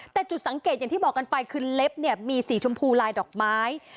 แต่จุดสังเกตอย่างที่บอกกันไปคือเล็บเนี่ยมีสีชมพูลายดอกไม้